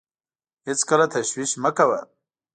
هېڅکله تشویش مه کوه .